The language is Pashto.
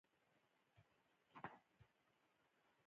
ښځه د ژوند د ښکلا بڼ جوړونکې ده.